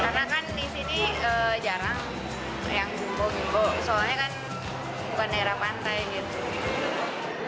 karena kan disini jarang yang jumbo jumbo soalnya kan bukan daerah pantai gitu